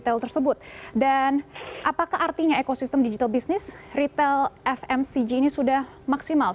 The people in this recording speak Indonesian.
retail tersebut dan apakah artinya ekosistem digital business retail fmcg ini sudah maksimal